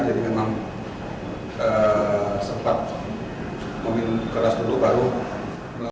jadi memang sempat memiliki keras dulu baru melakukan